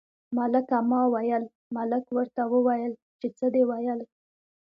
ملکه ما ویل، ملک ورته وویل چې څه دې ویل.